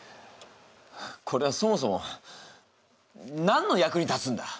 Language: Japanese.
これはそもそも何の役に立つんだ？